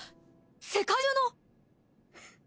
世界中の！？